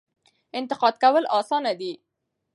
انتقاد کول اسانه دي.